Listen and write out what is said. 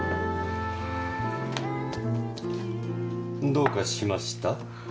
どうかしました？